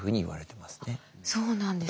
そうなんですね。